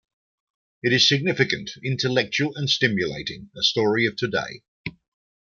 It is significant, intellectual and stimulating--a story of today.